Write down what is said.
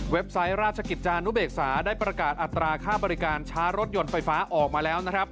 ไซต์ราชกิจจานุเบกษาได้ประกาศอัตราค่าบริการช้ารถยนต์ไฟฟ้าออกมาแล้วนะครับ